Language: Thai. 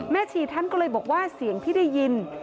ชีท่านก็เลยบอกว่าเสียงที่ได้ยิน